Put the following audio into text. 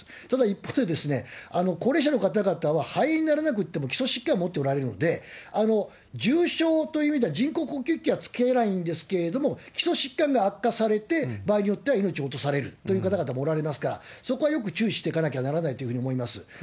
ただ、一方で、高齢者の方々は肺炎にならなくても基礎疾患持っておられるので、重症という意味では人工呼吸器はつけないんですけれども、基礎疾患が悪化されて、場合によっては命を落とされるという方々もおられますから、そこはよく注視していかなきゃならないというふうに思います。